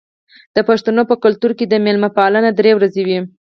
د پښتنو په کلتور کې د میلمه پالنه درې ورځې وي.